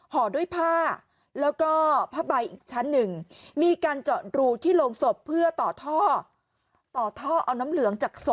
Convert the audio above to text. ห่อด้วยผ้าแล้วก็ผ้าใบอีกชั้นหนึ่ง